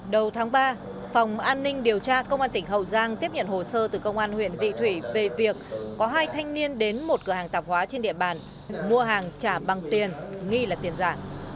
đầu tháng ba phòng an ninh điều tra công an tỉnh hậu giang tiếp nhận hồ sơ từ công an huyện vị thủy về việc có hai thanh niên đến một cửa hàng tạp hóa trên địa bàn mua hàng trả bằng tiền nghi là tiền giả